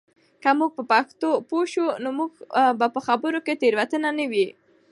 که موږ په پښتو پوه سو نو زموږ په خبرو کې تېروتنه نه وي.